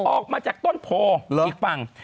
ออกมาจากต้นโพอีกฝั่ง